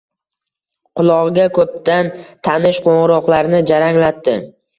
Qulog’iga ko’pdan tanish qo’ng’iroqlarini jaranglatdi.